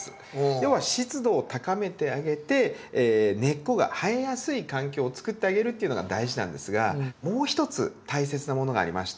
要は湿度を高めてあげて根っこが生えやすい環境をつくってあげるっていうのが大事なんですがもう一つ大切なものがありまして。